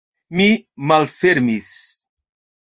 Mi malfermis.